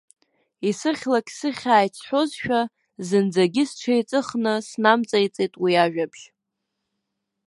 Исыхьлак сыхьааит сҳәозшәа, зынӡагьы сҽеиҵыхны снамҵаиҵеит уи ажәабжь.